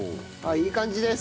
いい感じです。